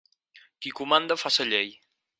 Qui comanda fa sa llei.